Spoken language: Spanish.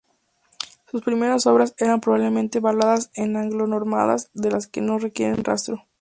Sus primeras obras eran probablemente baladas en anglo-normando de las que no queda rastro.